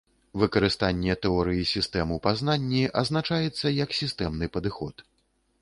Выкарыстанне тэорыі сістэм у пазнанні азначаецца як сістэмны падыход.